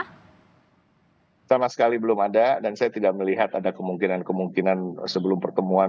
pertama sekali belum ada dan saya tidak melihat ada kemungkinan kemungkinan sebelum pertemuan